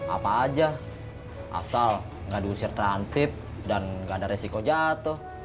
apa aja asal nggak diusir transip dan nggak ada resiko jatuh